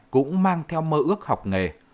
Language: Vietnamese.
cũng mang theo mơ ước học nghề